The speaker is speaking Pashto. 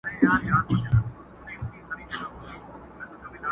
د دستار سرونه یو نه سو را پاته٫